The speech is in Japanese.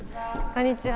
こんにちは。